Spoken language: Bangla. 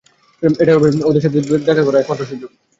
এটাই হবে ওদেরকে একসাথে দেখার একমাত্র সুযোগ।